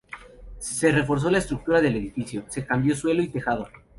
Se reforzó la estructura del edificio, se cambió el suelo y tejado.